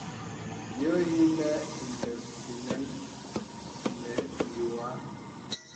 Yɔ̄ yìnə̀ inə fínaŋ nə̀ yùə̀ə̀.